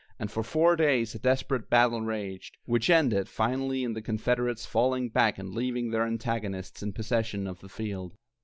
and for four days a desperate battle raged, which ended finally in the Confederates falling back and leaving their antagonists in possession of the field.